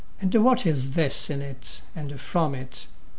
and what is this in it and from it?